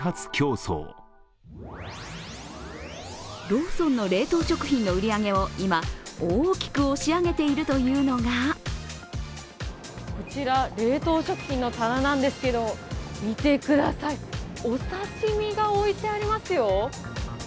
ローソンの冷凍食品の売り上げを今、大きく押し上げているというのがこちら冷凍食品の棚なんですけど見てください、お刺身が置いてありますよ。